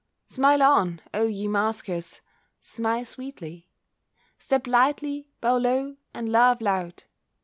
Smile on, O ye maskers, smile sweetly! Step lightly, bow low and laugh loud!